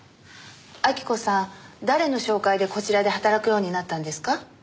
晃子さん誰の紹介でこちらで働くようになったんですか？